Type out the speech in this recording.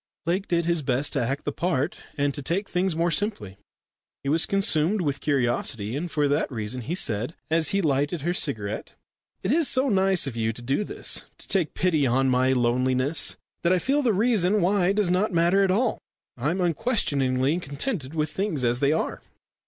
Lake did his best to act the part, and to take things more simply. He was consumed with curiosity, and for that reason he said, as he lighted her cigarette, "It is so nice of you to do this to take pity on my loneliness that I feel the reason why does not matter at all. I am unquestioningly contented with things as they are."